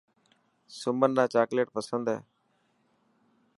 سمن نا چاڪليٽ پسند هي